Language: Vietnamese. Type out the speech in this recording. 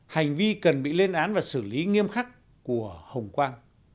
hành vi cần bị lên án và xử lý nghiêm khắc của hồng quang